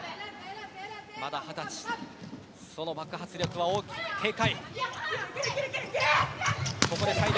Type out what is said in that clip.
まだ二十歳その爆発力は大きく警戒。